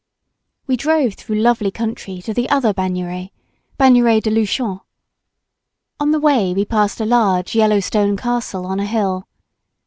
We drove through lovely country to the other Bagnères, Bagnères de Luchon. On the way we passed a large yellow stone castle on a hill.